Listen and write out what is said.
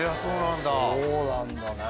そうなんだね。